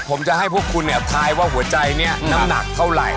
ผมจะให้พวกคุณเนี่ยทายว่าหัวใจเนี่ยน้ำหนักเท่าไหร่